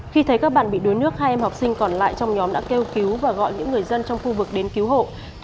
khi thấy các bạn bị đuối nước hai em học sinh còn lại trong nhóm đã kêu cứu và gọi những người dân trong khu vực đến cứu hộ